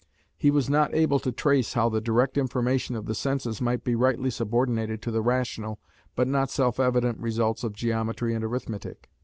He was not able to trace how the direct information of the senses might be rightly subordinated to the rational, but not self evident results of geometry and arithmetic.